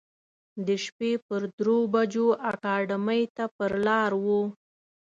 د شپې پر درو بجو اکاډمۍ ته پر لار و.